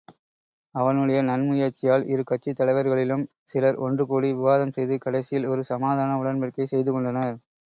அவனுடைய நன்முயற்சியால் இரு கட்சித் தலைவர்களிலும் சிலர் ஒன்றுகூடி விவாதம் செய்து, கடைசியில் ஒரு சமாதான உடன்படிக்கை செய்துகொண்டனர்.